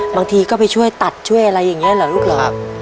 บางทีก็ไปช่วยตัดช่วยอะไรอย่างนี้เหรอลูกเหรอ